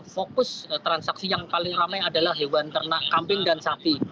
fokus transaksi yang paling ramai adalah hewan ternak kambing dan sapi